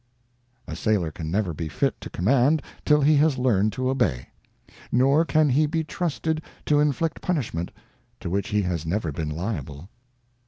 A sailor can never be fit to command till he has learned to obey ; nor can he be trusted to inflict punishments to which he has never been liable.